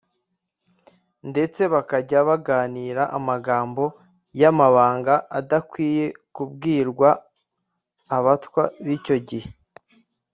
ndetse bakajya baganira amagambo y'amabanga adakwiye kubwirwa abatwa b'icyo gihe.